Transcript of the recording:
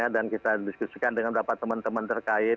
dan kita diskusikan dengan beberapa teman teman terkait